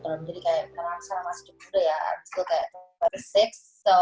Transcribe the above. terus banget tapi kalau long term jadi sekarang masih cukup muda ya abis itu kayak tiga puluh enam